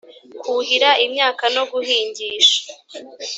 kuhira imyaka no guhingisha